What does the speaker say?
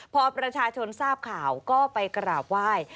พอประชาชนทราบข่าวก็ไปกราบไหว้